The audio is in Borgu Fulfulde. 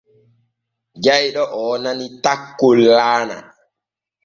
Jayɗo oo nani takkol laana.